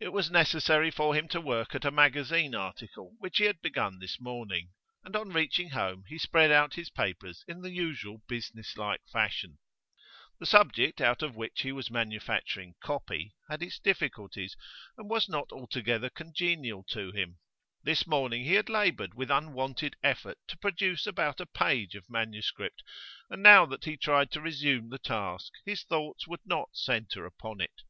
It was necessary for him to work at a magazine article which he had begun this morning, and on reaching home he spread out his papers in the usual businesslike fashion. The subject out of which he was manufacturing 'copy' had its difficulties, and was not altogether congenial to him; this morning he had laboured with unwonted effort to produce about a page of manuscript, and now that he tried to resume the task his thoughts would not centre upon it.